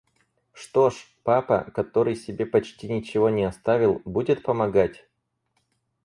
Что ж, папа, который себе почти ничего не оставил, будет помогать?